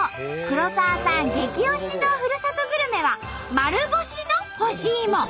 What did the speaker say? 黒沢さん激推しのふるさとグルメは丸干しの干しいも。